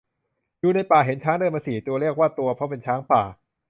อยู่ในป่า เห็นช้างเดินมาสี่ตัว เรียกว่าตัวเพราะเป็นช้างป่า